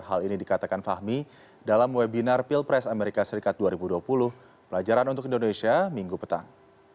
hal ini dikatakan fahmi dalam webinar pilpres amerika serikat dua ribu dua puluh pelajaran untuk indonesia minggu petang